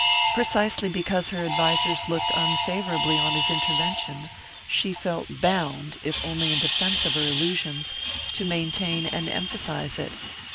Precisely because her advisers looked unfavourably on his intervention, she felt bound if only in defense of her illusions to maintain and emphasize it.